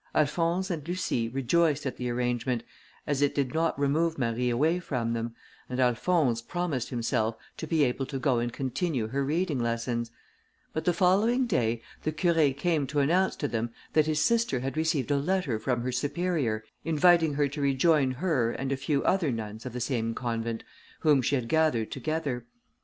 Alphonse and Lucie rejoiced at the arrangement, as it did not remove Marie away from them, and Alphonse promised himself to be able to go and continue her reading lessons; but the following day the Curé came to announce to them that his sister had received a letter from her superior, inviting her to rejoin her, and a few other nuns of the same convent, whom she had gathered together.